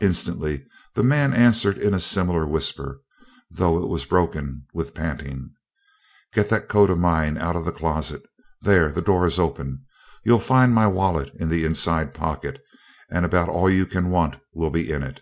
Instantly the man answered in a similar whisper, though it was broken with panting: "Get that coat of mine out the closet. There the door is open. You'll find my wallet in the inside pocket and about all you can want will be in it."